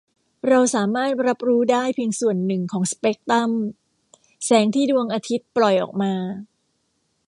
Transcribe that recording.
เราสามารถรับรู้ได้เพียงส่วนหนึ่งของสเปกตรัมแสงที่ดวงอาทิตย์ปล่อยออกมา